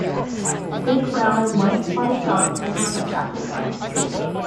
Big brown and white spotted dog laying on a jacket on the street